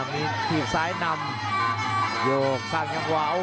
มีถีบซ้ายนำโยกสร้างจังหวะ